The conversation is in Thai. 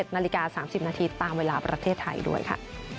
นาฬิกา๓๐นาทีตามเวลาประเทศไทยด้วยค่ะ